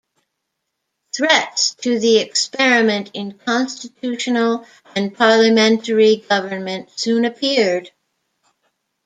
Threats to the experiment in constitutional and parliamentary government soon appeared.